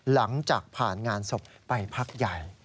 หลังจากผ่านงานศพไปพักใหญ่